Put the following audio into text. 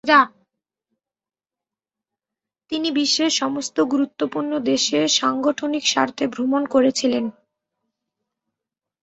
তিনি বিশ্বের সমস্ত গুরুত্বপূর্ণ দেশে সাংগঠনিক স্বার্থে ভ্রমণ করেছিলেন।